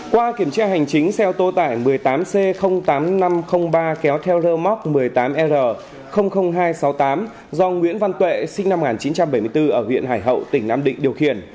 qua kiểm tra hành chính xe ô tô tải một mươi tám c tám nghìn năm trăm linh ba kéo theo rơ móc một mươi tám r hai trăm sáu mươi tám do nguyễn văn tuệ sinh năm một nghìn chín trăm bảy mươi bốn ở huyện hải hậu tỉnh nam định điều khiển